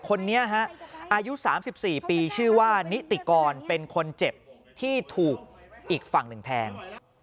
คนนี้ฮะอายุ๓๔ปีชื่อว่านิติกรเป็นคนเจ็บที่ถูกอีกฝั่งหนึ่งแทง